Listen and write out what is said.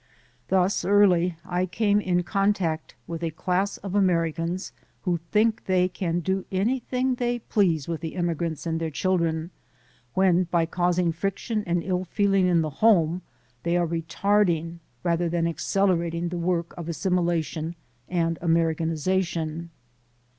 Thus early I came in contact with a class of Americans who think they can do anything they please with the immigrants and their children, when by causing friction and ill feeling in the home they are retard ing rather than accelerating the work of assimila tion and Americanization.